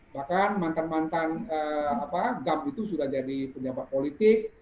bahkan mantan mantan gamp itu sudah jadi penjabat politik